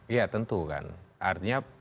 iya tentu kan artinya